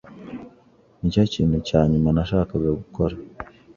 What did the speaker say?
Nicyo kintu cya nyuma nashakaga gukora.